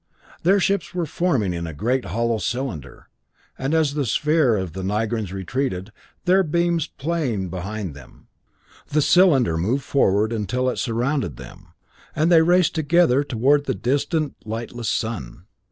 Their ships were forming in a giant hollow cylinder, and as the sphere of the Nigrans retreated, their beams playing behind them, the cylinder moved forward until it surrounded them, and they raced together toward the distant lightless sun.